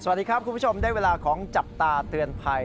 สวัสดีครับคุณผู้ชมได้เวลาของจับตาเตือนภัย